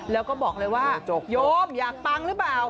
แล้วก็บอกเลยว่าโยมอยากปังหรือเปล่า